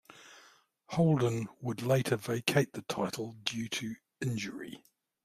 Holden would later vacate the title due to injury.